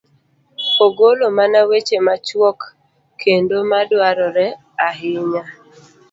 ogolo mana weche machuok kendo ma dwarore ahinya.